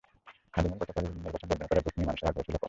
খাদেমুল গতকালের নির্বাচন বর্জন করায় ভোট নিয়ে মানুষের আগ্রহ ছিল কম।